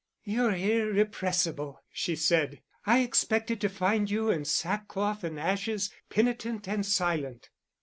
"You're irrepressible," she said. "I expected to find you in sackcloth and ashes, penitent and silent."